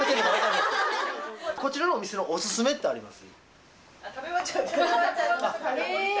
こちらのお店のお薦めってあります？